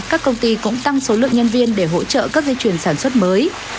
các công ty cũng tăng số lượng nhân viên để hỗ trợ các dây chuyển sản xuất mới